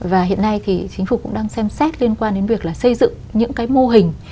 và hiện nay thì chính phủ cũng đang xem xét liên quan đến việc là xây dựng những cái mô hình